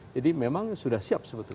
jadi memang sudah siap sebetulnya